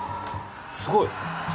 すごい。